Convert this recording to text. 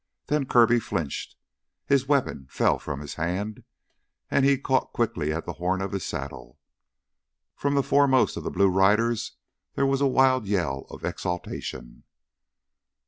Then Kirby flinched, his weapon fell from his hand, and he caught quickly at the horn of his saddle. From the foremost of the blue riders there was a wild yell of exultation.